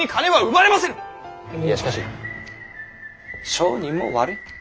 いやしかし商人も悪い。